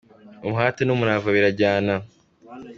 umuhate n'umurava birajyana.